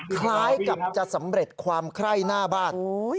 คล้ายกับจะสำเร็จความไคร้หน้าบ้าน